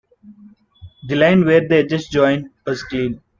The line where the edges join was clean.